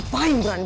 tantangan buat dia